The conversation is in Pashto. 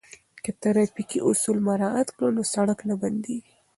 که ترافیکي اصول مراعات کړو نو سړک نه بندیږي.